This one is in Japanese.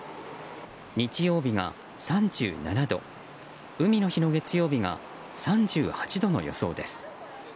日曜日が３７度海の日の月曜日が３８度の予想です。